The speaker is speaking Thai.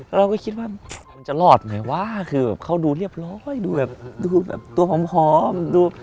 เราก็คิดว่ามันจะรอดไหนวะคือเขาดูเรียบร้อยดูแบบตัวพร้อม